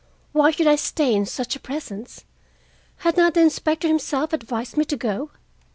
Why should I stay in such a presence? Had not the inspector himself advised me to go?